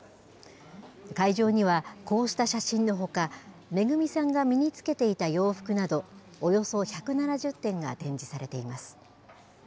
会場には、こうした写真のほか、めぐみさんが身につけていた洋服など、およそ１７０点が展示されています。